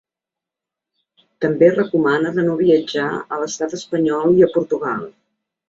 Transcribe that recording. També recomana de no viatjar a l’estat espanyol i a Portugal.